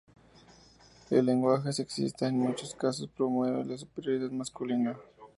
El lenguaje sexista, en muchos casos, promueve la superioridad masculina.